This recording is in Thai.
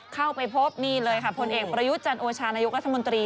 เข้าไปพบนี่เลยค่ะผลเอกประยุทธ์จันโอชานายกรัฐมนตรี